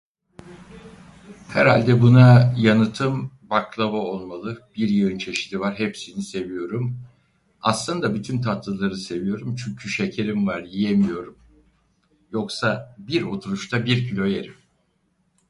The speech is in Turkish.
Herhalde buna yanıtım, baklava olmalı, bir yığın çeşidi var, hepsini seviyorum. Aslında bütün tatlıları seviyorum, çünkü şekerim var yiyemiyorum, yoksa bir oturuşta bir kilo yerim.